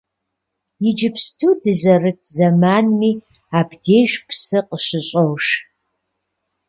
Иджыпсту дызэрыт зэманми абдеж псы къыщыщӏож.